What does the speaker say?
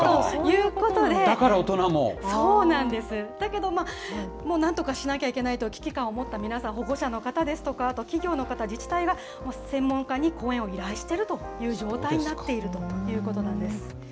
だけど、もうなんとかしなきゃいけないと危機感を持った皆さん、保護者の方ですとか、あと企業の方、自治体が、専門家に講演を依頼しているという状態になっているということなんです。